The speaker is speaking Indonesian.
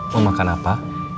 mau makan apa